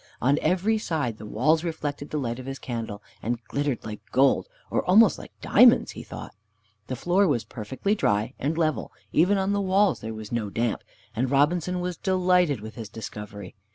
On every side the walls reflected the light of his candle, and glittered like gold, or almost like diamonds, he thought. The floor was perfectly dry and level, even on the walls there was no damp, and Robinson was delighted with his discovery.